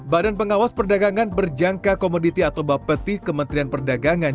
badan pengawas perdagangan berjangka komoditi atau bapeti kementerian perdagangan